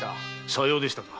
さようでしたか。